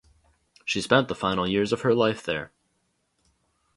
She spent the final years of her life there.